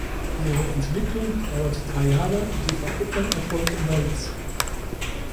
Ihre Entwicklung dauert drei Jahre, die Verpuppung erfolgt im Holz.